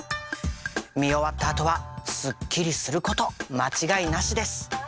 見終わったあとはすっきりすること間違いなしです。